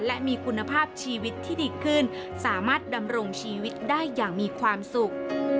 และมีคุณภาพชีวิตที่ดีขึ้นสามารถดำรงชีวิตได้อย่างมีความสุข